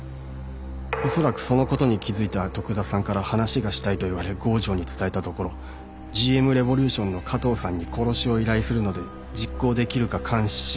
恐らくその事に気づいた徳田さんから話がしたいと言われ郷城に伝えたところＧＭレボリューションの加藤さんに殺しを依頼するので実行できるか監視しろ。